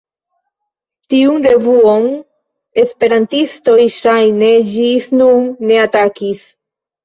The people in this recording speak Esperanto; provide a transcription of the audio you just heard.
Tiun revuon esperantistoj ŝajne ĝis nun ne atakis.